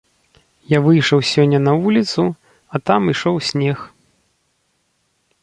Я выйшаў сёння на вуліцу, а там ішоў снег.